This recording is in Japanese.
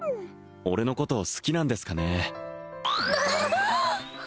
俺のこと好きなんですかね？